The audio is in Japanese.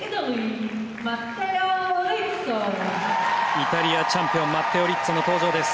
イタリアチャンピオンマッテオ・リッツォの登場です。